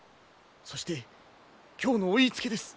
そして今日のお言いつけです。